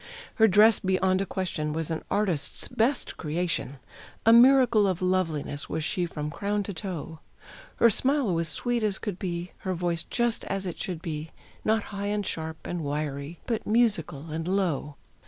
Her dress beyond a question was an artist's best creation; A miracle of loveliness was she from crown to toe. Her smile was sweet as could be, her voice just as it should be Not high, and sharp, and wiry, but musical and low.